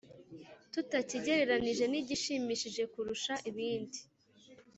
tutakigereranyije n’igishimishije kurusha ibindi.